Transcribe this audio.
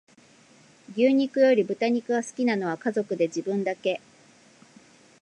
牛肉より豚肉が好きなのは家族で自分だけ